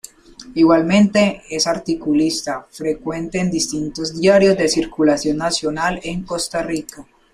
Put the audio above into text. Igualmente es articulista frecuente en distintos diarios de circulación nacional en Costa Rica.